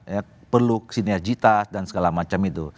ya perlu sinergitas dan segala macam itu